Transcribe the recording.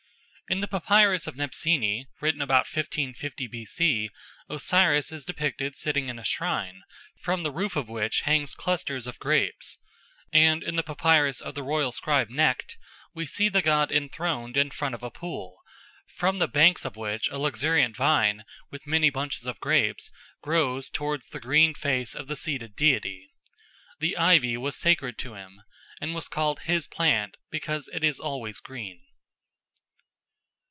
In the papyrus of Nebseni, written about 1550 B.C., Osiris is depicted sitting in a shrine, from the roof of which hang clusters of grapes; and in the papyrus of the royal scribe Nekht we see the god enthroned in front of a pool, from the banks of which a luxuriant vine, with many bunches of grapes, grows towards the green face of the seated deity. The ivy was sacred to him, and was called his plant because it is always green.